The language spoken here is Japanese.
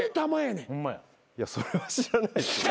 いやそれは知らないですよ。